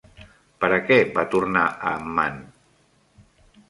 Per a què va tornar a Amman?